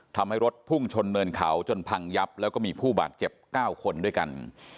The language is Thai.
ทำให้รถพุ่งชนเนินเขาจนพังยับแล้วก็มีผู้บาดเจ็บ๙คนด้วยกัน